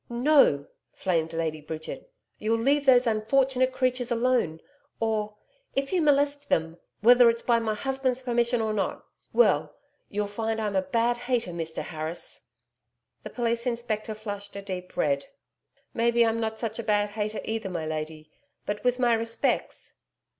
'No,' flamed Lady Bridget. 'You'll leave those unfortunate creatures alone or if you molest them whether it's by my husband's permission or not well you'll find I'm a bad hater, Mr Harris.' The police inspector flushed a deep red. 'Maybe I'm not such a bad hater either, my lady but with my respects....'